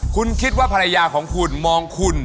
คุณคิดว่าภรรยาของคุณมองคุณ